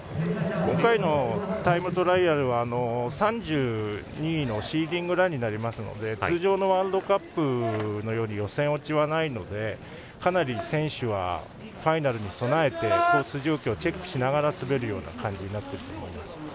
今回のタイムトライアルは３２位のシーディングランになりますので通常のワールドカップより予選落ちはないのでかなり選手はファイナルに備えてコース状況をチェックしながら滑るような感じになると思います。